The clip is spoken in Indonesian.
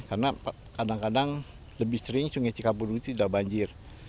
karena kadang kadang lebih sering sungai cikapundung itu sudah banjir